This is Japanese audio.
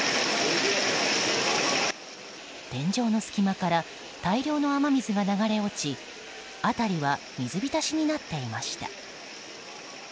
天井の隙間から大量の雨水が流れ落ち辺りは水浸しになっていました。